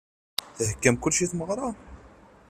Theggam kullec i tmeɣra?